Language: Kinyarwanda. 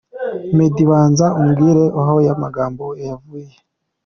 Meddy: Banza umbwire aho ayo magambo yavuye!!.